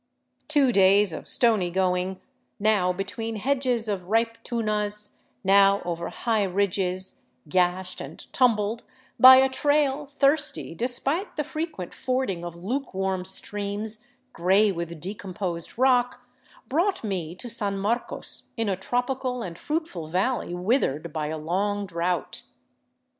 Two days of stony going, now between hedges of ripe tunas, now over high ridges, gashed and tumbled, by a trail thirsty despite the frequent fording of luke warm streams gray with decomposed rock, brought me to San Marcos in a tropical and fruitful valley withered by a long drought.